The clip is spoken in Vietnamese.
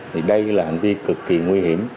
thì đây là hành vi cực kỳ nguy hiểm